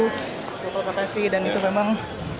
terima kasih dan itu memang